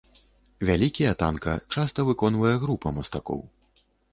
Вялікія танка часта выконвае група мастакоў.